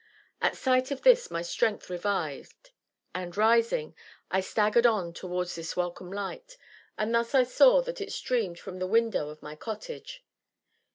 At sight of this my strength revived, and rising, I staggered on towards this welcome light, and thus I saw that it streamed from the window of my cottage.